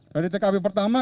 dari tkp pertama